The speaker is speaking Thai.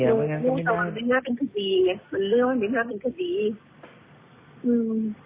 มันไม่น่าเป็นคดีไงมันเรื่องไม่น่าเป็นคดี